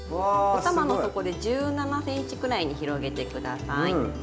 おたまの底で１７ｃｍくらいに広げて下さい。